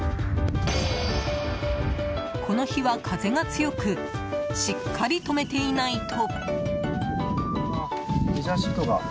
この日は風が強くしっかり留めていないと。